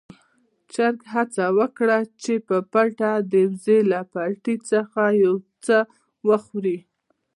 چرګ هڅه وکړه چې په پټه د وزې له پټي څخه يو څه وخوري.